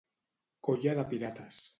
Colla de pirates.